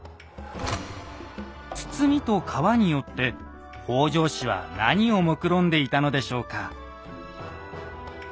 堤と川によって北条氏は何をもくろんでいたのでしょうか？